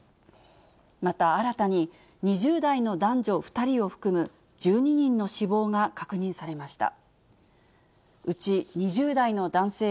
また新たに２０代の男女２人を含む１２人の死亡が確認されました。